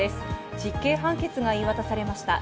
実刑判決が言い渡されました。